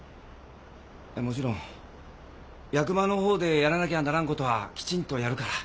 あっもちろん役場のほうでやらなきゃならんことはきちんとやるから。